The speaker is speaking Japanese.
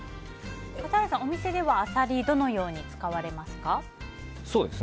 笠原さん、お店ではアサリ、どのように使われますか。